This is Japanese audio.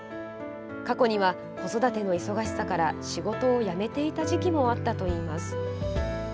過去には子育ての忙しさから仕事を辞めていた時期もあったといいます。